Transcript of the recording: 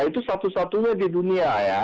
itu satu satunya di dunia ya